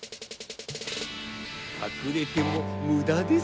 かくれてもむだですよ。